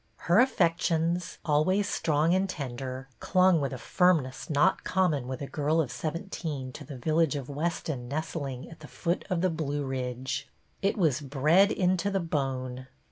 Her affections, always strong and ten der, clung with a firmness not common with a girl of seventeen to the village of Weston nestling at the foot of the Blue Ridge. It was bred into the bone